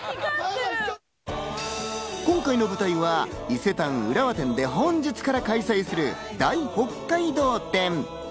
今回の舞台は伊勢丹浦和店で本日から開催する大北海道展。